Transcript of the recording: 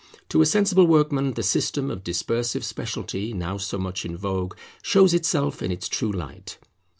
To a sensible workman, the system of dispersive speciality now so much in vogue shows itself in its true light.